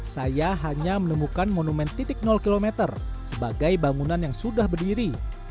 saya hanya menemukan monumen titik km sebagai bangunan yang sudah berdiri